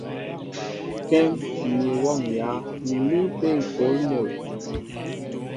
Kɛ́m mi wɔ́ŋyǎ, ǹ líí ápé ŋ̀kôl mol.